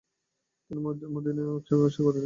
তিনি মদিনায়ও একই ব্যবসা শুরু করেন।